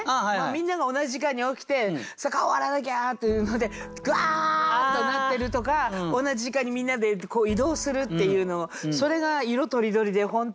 みんなが同じ時間に起きて顔洗わなきゃっていうのでぐわっとなってるとか同じ時間にみんなで移動するっていうのそれが色とりどりで本当に。